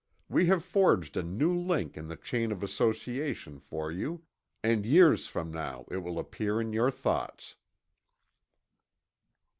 We have forged a new link in the chain of association for you, and years from now it will appear in your thoughts.